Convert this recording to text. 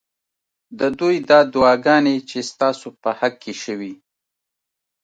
ددوی دا دعاګانې چې ستا سو په حق کي شوي